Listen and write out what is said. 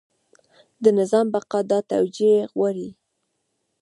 د نظام بقا دا توجیه غواړي.